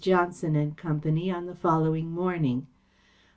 Johnson and Company, on the following morning.